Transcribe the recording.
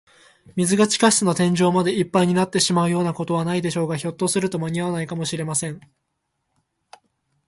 水が地下室の天井までいっぱいになってしまうようなことはないでしょうか。ひょっとすると、まにあわないかもしれません。